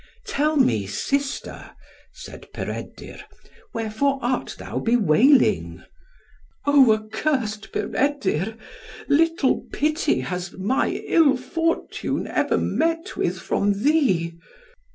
"Tell me, sister," said Peredur, "wherefore art thou bewailing?" "Oh! accursed Peredur, little pity has my ill fortune ever met with from thee."